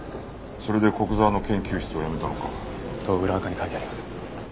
それで古久沢の研究室を辞めたのか。と裏アカに書いてあります。